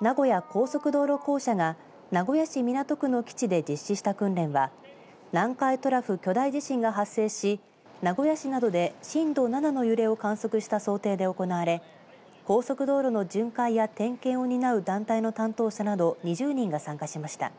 名古屋高速道路公社が名古屋市港区の基地で実施した訓練は南海トラフ巨大地震が発生し名古屋市などで震度７の揺れを観測した想定で行われ高速道路の巡回や点検を担う団体の担当者など２０人が参加しました。